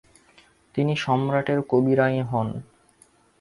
তিনি সম্রাটের কবি রাই হন।